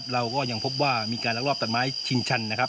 เราก็ยังพบว่ามีการลักลอบตัดไม้ชิงชันนะครับ